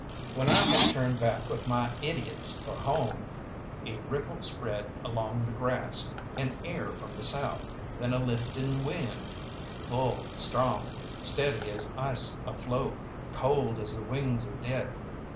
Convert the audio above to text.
When I had turned back with my idiots for home, a ripple spread along the grass, an air from the south, then a lifting wind, full strong, steady as ice aflow, cold as the wings of Death.